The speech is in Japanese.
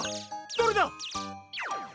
どれだ？